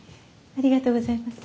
ありがとうございます。